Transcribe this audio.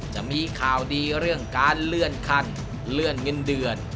จะมีข่าวดีเรื่องการเลื่อนขั้นเลื่อนเงินเดือน